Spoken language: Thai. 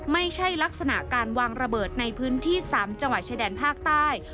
ไม่ใช่ลักษณะการวางระเบิดในพื้นที่๓จังหวัดชายแดนภาคใต้